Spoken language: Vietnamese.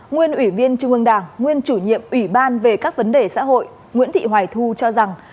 nguyên ủy viên trung ương đảng nguyên chủ nhiệm ủy ban về các vấn đề xã hội nguyễn thị hoài thu cho rằng